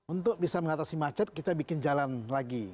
untuk bisa mengatasi macet kita bikin jalan lagi